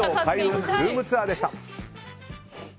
ルームツアーでした。